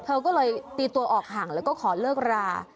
เธอก็เลยตีตัวออกห่างแล้วก็ขอเลิกรา